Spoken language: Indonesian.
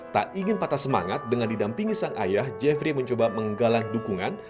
tak ingin patah semangat dengan didampingi sang ayah jeffrey mencoba menggalang dukungan